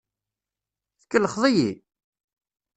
Tkellxeḍ-iyi?